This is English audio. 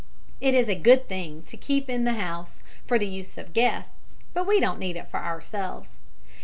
It is a good thing to keep in the house for the use of guests, but we don't need it for ourselves.